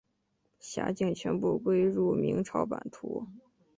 辖境全部归入明朝版图。